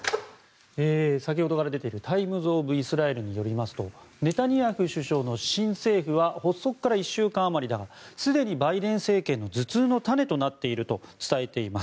先ほどから出ているタイムズ・オブ・イスラエルによりますとネタニヤフ首相の新政府は発足から１週間あまりだがすでにバイデン政権の頭痛の種となっていると伝えています。